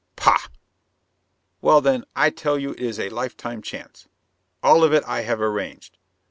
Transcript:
"Pah!" "Well then I tell you it is a lifetime chance. All of it I have arranged.